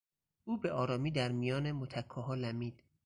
او به آرامی در میان متکاها لمید.